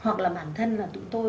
hoặc là bản thân là tụi tôi